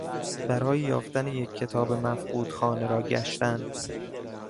برای یافتن یک کتاب مفقود خانه را گشتن